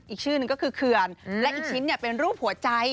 อีกชื่อนึงก็คือเขื่อนและอีกชิ้นเป็นรูปหัวใจ